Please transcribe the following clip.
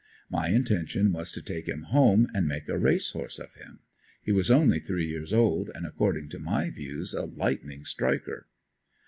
My intention was to take him home and make a race horse of him; he was only three years old and according to my views a "lightning striker."